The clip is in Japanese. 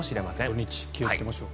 土日、気をつけましょう。